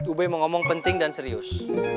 ube mau ngomong penting dan serius